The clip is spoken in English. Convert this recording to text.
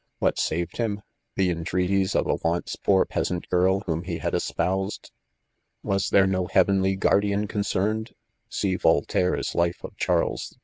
What enved bun ? the entreaties of a once poor peasant girL whom he had espoused? was there no heavenly ruornjn. ••: yn. >/,'< f"' '' ■<~See Voltaire's Life of Charles XII.